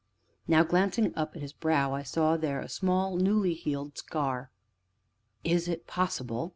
Now, glancing up at his brow, I saw there a small, newly healed scar. "Is it possible?"